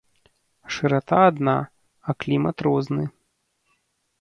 Шырата адна, а клімат розны.